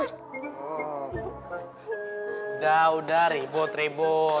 udah udah ribut ribut